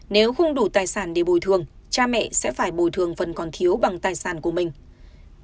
nếu không đủ tài sản để bồi thường cha mẹ sẽ phải bồi thường phần còn thiếu bằng tài sản của mình